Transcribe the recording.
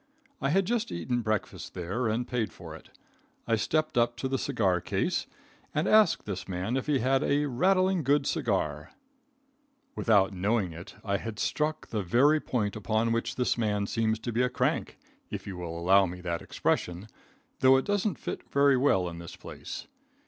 I had just eaten breakfast there and paid for it. I stepped up to the cigar case and asked this man if he had "a rattling good cigar." [Illustration: THE ANTIQUE LUNCH.] Without knowing it I had struck the very point upon which this man seems to be a crank, if you will allow me that expression, though it doesn't fit very well in this place.